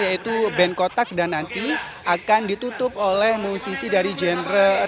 yaitu band kotak dan nanti akan ditutup oleh musisi dari genre reggae yaitu ada tiga musisi yaitu tip x